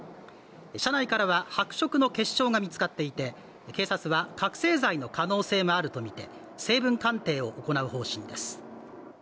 車内からは白色の結晶が見つかっていて警察は覚醒剤の可能性もあるとみて成分鑑定を行う方針です